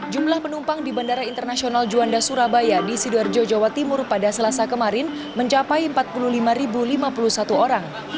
jumlah penumpang di bandara internasional juanda surabaya di sidoarjo jawa timur pada selasa kemarin mencapai empat puluh lima lima puluh satu orang